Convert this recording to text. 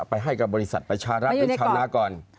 ไปให้กับบริษัทไปชาวนาก่อน